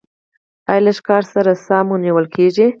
ایا لږ کار سره ساه مو نیول کیږي؟